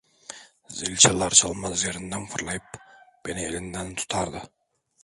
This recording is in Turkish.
Zil çalar çalmaz yerinden fırlayıp beni elimden tutardı...